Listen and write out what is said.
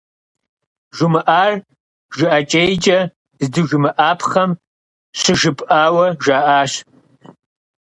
Жумыӏар жыӏэкӏейкӏэ здыжумыӏапхъэм щыжыпӏауэ жаӏащ.